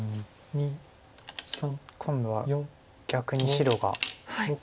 今度は逆に白が。